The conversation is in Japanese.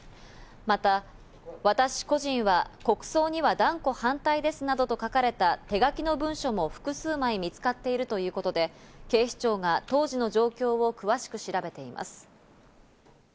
また「私個人は国葬には断固反対です」などと書かれた手書きの文書も複数枚見つかっているということで、警視庁が当時の状況を詳しく調べています。